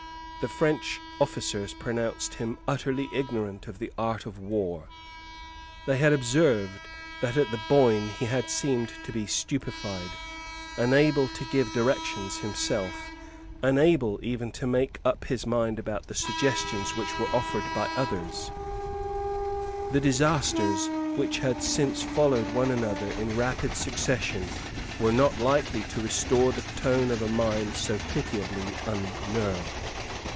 The French officers pronounced him utterly ignorant of the art of war. They had observed that at the Boyne he had seemed to be stupified, unable to give directions himself, unable even to make up his mind about the suggestions which were offered by others, The disasters which had since followed one another in rapid succession were not likely to restore the tone of a mind so pitiably unnerved.